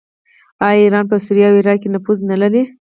آیا ایران په سوریه او عراق کې نفوذ نلري؟